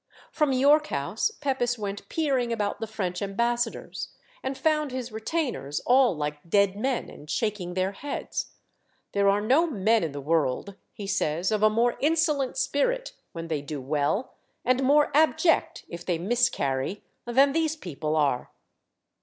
From York House Pepys went peering about the French ambassador's, and found his retainers all like dead men and shaking their heads. "There are no men in the world," he says, "of a more insolent spirit when they do well, and more abject if they miscarry, than these people are."